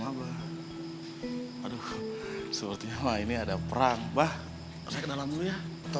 aduh sebutnya wah ini ada perang bah saya ke dalam dulu ya